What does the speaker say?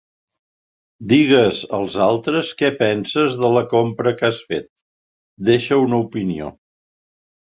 Digues als altres què penses de la compra que has fet, deixa una opinió.